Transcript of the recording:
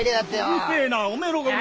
うるせえなおめえの方が。